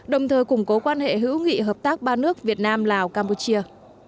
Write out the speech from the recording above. đồng thời củng cố quan hệ hữu nghị hợp tác ba nước việt nam lào campuchia